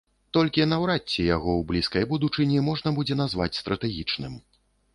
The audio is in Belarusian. Толькі наўрад ці яго ў блізкай будучыні можна будзе назваць стратэгічным.